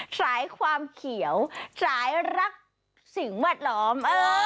สายความเขียวสายรักสิ่งแวดล้อม